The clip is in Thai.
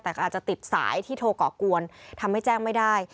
แต่ก็อาจจะติดสายที่โทรก่อกวนทำให้แจ้งไม่ได้